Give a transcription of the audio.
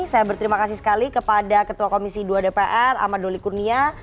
saya berterima kasih sekali kepada ketua komisi dua dpr ahmad doli kurnia